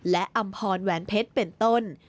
และอำพรแหวนเพชรเป็นต้น